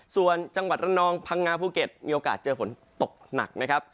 ส่วนจังหวัดระนองพังงาภูเก็ตมีโอกาสเจอฝนตกหนักนะครับ